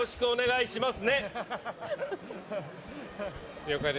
お願いします。